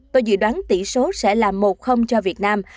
tôi dự đoán tỷ số sẽ là một cho việt nam